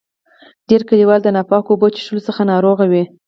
ډیری کلیوال د ناپاکو اوبو چیښلو څخه ناروغ وي.